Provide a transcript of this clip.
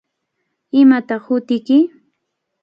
¿Imataq hutiyki?